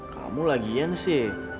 kamu lagian sih